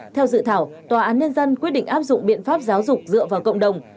theo dự thảo tòa án nhân dân quyết định áp dụng biện pháp giáo dục dựa vào cộng đồng